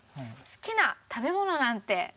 好きな食べ物なんて。